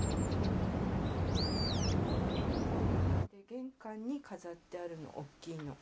玄関に飾ってあるのおっきいの。